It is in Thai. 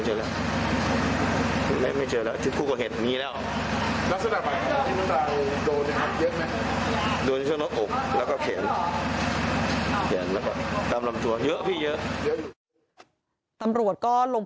ห้าห้าโมงกันแล้วก็พอหลักอิบานกันเลยสัมรวชก็ลง